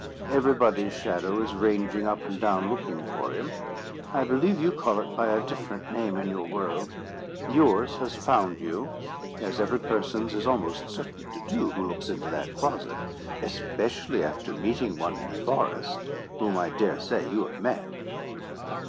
"Everybody's shadow is ranging up and down looking for him. I believe you call it by a different name in your world: yours has found you, as every person's is almost certain to do who looks into that closet, especially after meeting one in the forest, whom I dare say you have met."